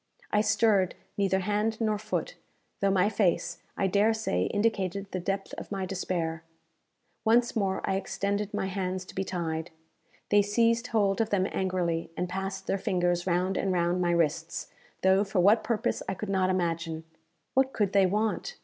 I stirred neither hand nor foot, though my face, I dare say, indicated the depth of my despair. Once more I extended my hands to be tied. They seized hold of them angrily, and passed their fingers round and round my wrists, though for what purpose I could not imagine. What could they want?